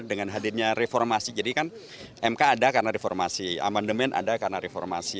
dengan hadirnya reformasi jadi kan mk ada karena reformasi amandemen ada karena reformasi